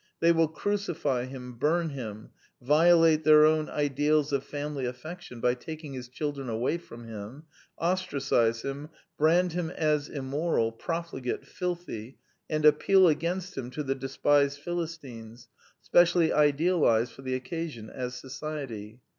They will crucify him, burn him, violate their own ideals of family affection by taking his children away from him, ostracize him, brand him as immoral, profli gate, filthy, and appeal against him to the despised Philistines, specially idealized for the occasion as Society.